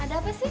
ada apa sih